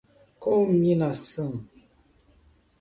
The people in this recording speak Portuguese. cominação